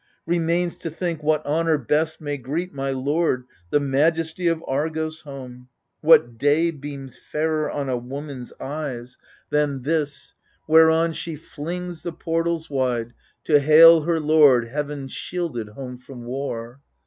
Remains to think what honour best may greet My lord, the majesty of Argos, home. What day beams fairer on a woman's eyes 28 AGAMEMNON Than this, whereon she flings the portal wide, To hail her lord, heaven shielded, home from war